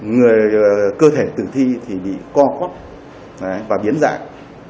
người cơ thể tử thi thì bị co khuất và biến dạng